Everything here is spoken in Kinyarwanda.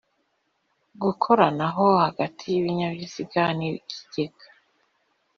gukoranaho hagati y ikinyabiziga n ikigega